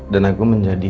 dan aku menjadi